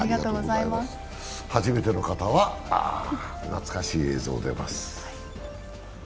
初めての方は、懐かしい映像が出ます。